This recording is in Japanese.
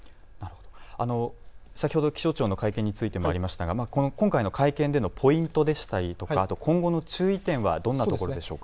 先ほど気象庁の会見についてもありましたが、今回の会見でのポイントでしたり今後の注意点はどんなところでしょうか。